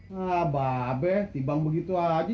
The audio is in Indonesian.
yaa be tibang begitu aja